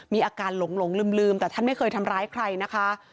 อาการหลงลืมแต่ท่านไม่เคยทำร้ายใครนะคะ